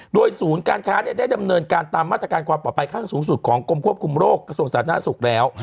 โดยศูนย์การค้าได้ดำเนินการตามมาตรการความปลอดภัยข้างสูงสุดของกรมควบคุมโรคกระทรวงสาธารณสุขแล้ว